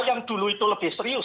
yang dulu itu lebih serius